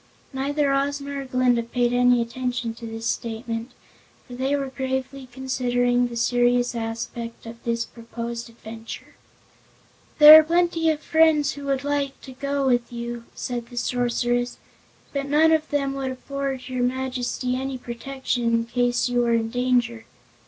Neither Ozma nor Glinda paid any attention to this statement, for they were gravely considering the serious aspect of this proposed adventure. "There are plenty of friends who would like to go with you," said the Sorceress, "but none of them would afford your Majesty any protection in case you were in danger.